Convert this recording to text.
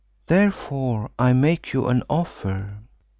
Therefore I make you an offer.